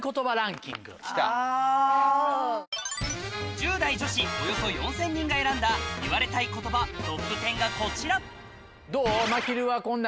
１０代女子およそ４０００人が選んだ言われたい言葉トップ１０がこちらどう？